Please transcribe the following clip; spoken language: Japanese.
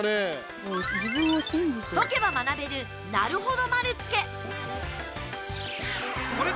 解けば学べるなるほど丸つけ。